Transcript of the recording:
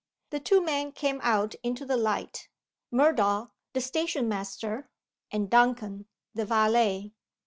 The two men came out into the light. Murdoch, the station master; and Duncan, the valet!